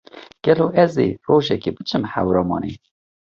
Gelo ez ê rojekê biçim Hewramanê.